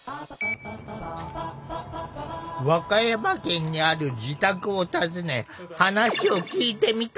和歌山県にある自宅を訪ね話を聞いてみた。